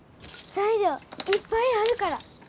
材料いっぱいあるから。